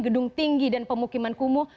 gedung tinggi dan pemukiman kumuh